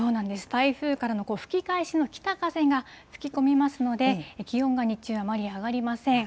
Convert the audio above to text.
台風からの吹き返しの北風が吹き込みますので、気温が日中、あまり上がりません。